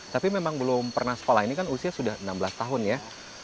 tapi memang belum pernah sekolah ini kan usia sudah enam belas tahun ya